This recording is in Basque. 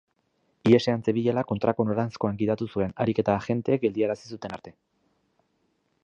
Ihesean zebilela kontrako noranzkoan gidatu zuen, harik eta agenteek geldiarazi zuten arte.